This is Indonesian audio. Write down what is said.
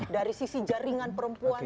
dari sisi jaringan perempuan